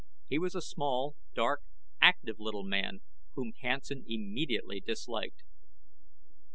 He was a small, dark active little man whom Hansen immediately disliked.